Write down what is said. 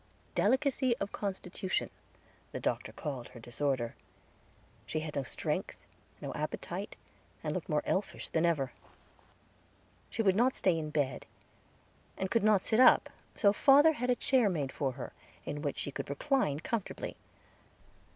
Delicacy of constitution the doctor called her disorder. She had no strength, no appetite, and looked more elfish than ever. She would not stay in bed, and could not sit up, so father had a chair made for her, in which she could recline comfortably.